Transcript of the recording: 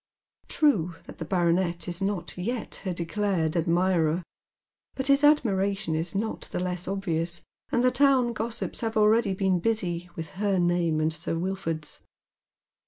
True that the baronet is not yet her declared admirer, but his admiration is not the less obvious, and the town gossips have already been busy with her name and Sir Wilford's.